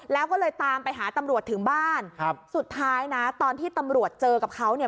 แล้วก็เลยตามไปหาตำรวจถึงบ้านครับสุดท้ายนะตอนที่ตำรวจเจอกับเขาเนี่ย